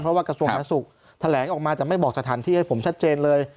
เพราะว่ากระทรวงสาธารณสุขแถลงออกมาแต่ไม่บอกสถานที่ให้ผมชัดเจนเลย